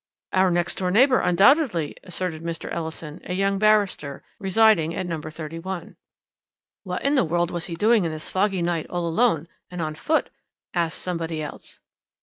"'Our next door neighbour, undoubtedly,' asserted Mr. Ellison, a young barrister, residing at No. 31. "'What in the world was he doing this foggy night all alone, and on foot?' asked somebody else.